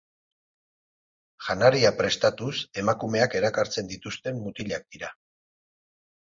Janaria prestatuz emakumeak erakartzen dituzten mutilak dira.